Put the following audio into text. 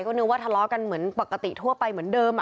ก็นึกว่าทะเลาะกันเหมือนปกติทั่วไปเหมือนเดิม